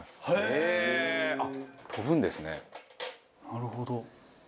なるほど。